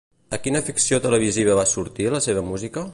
A quina ficció televisiva va sortir la seva música?